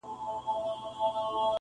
• څرېدی به له سهاره تر ماښامه -